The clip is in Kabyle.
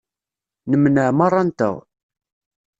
Nemneɛ merra-nteɣ.